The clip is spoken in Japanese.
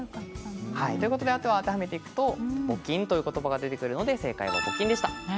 あとは当てはめていくと「募金」ということばが出てくるので正解は「募金」でした。